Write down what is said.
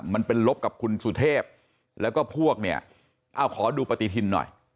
มันเป็นลบกับคุณสุเทพแล้วก็พวกเนี่ยเอาขอดูปฏิทินหน่อย